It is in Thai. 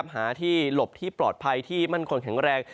หาที่หลบที่ปลอดภัยที่มั่นคงแข็งแรง